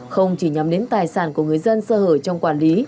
không chỉ nhắm đến tài sản của người dân sơ hở trong quản lý